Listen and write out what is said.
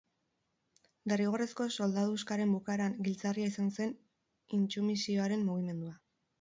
Derrigorrezko soldaduskaren bukaeran giltzarria izan zen intsumisioaren mugimendua.